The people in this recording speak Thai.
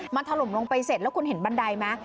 มันถล่มลงไปเสร็จแล้วคุณเห็นบันไดไหม